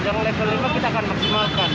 yang level lima kita akan maksimalkan